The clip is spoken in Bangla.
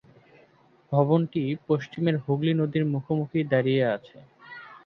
ভবনটি পশ্চিমের হুগলি নদীর মুখোমুখি দাঁড়িয়ে আছে।